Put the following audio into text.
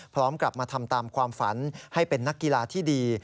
พร้อมกลับมาทำตามความฝันให้เป็นนักกีฬาที่ดี